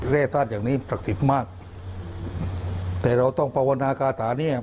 เล่ทราชอย่างนี้ประกฏมากแต่เราต้องประวัติศาสตร์เนี่ย